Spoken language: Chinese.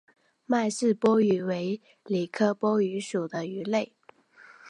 麦氏波鱼为鲤科波鱼属的鱼类。